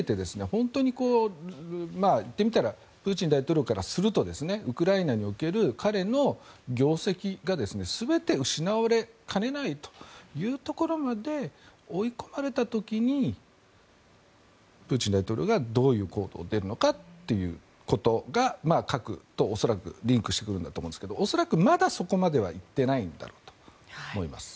本当に、言ってみたらプーチン大統領からするとウクライナにおける彼の業績が全て失われかねないというところまで追い込まれた時にプーチン大統領がどういう行動に出るのかっていうことが核と恐らくリンクしてくるんだと思うんですけど恐らく、まだそこまでは行っていないんだろうと思います。